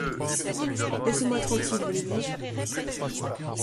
Laissez-moi tranquille, voulez-vous ?